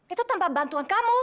itu tanpa bantuan kamu